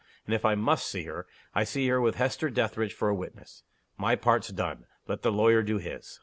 And if I must see her, I see her with Hester Dethridge for a witness. My part's done let the lawyer do his."